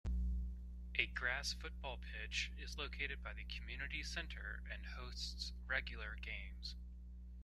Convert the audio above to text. A grass football pitch is located by the community centre and hosts regular games.